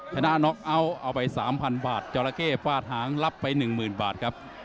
แทน่าน็อคเอาเอาไปสามพันบาทจอละเก้ฟาดหางรับไปหนึ่งหมื่นบาทครับ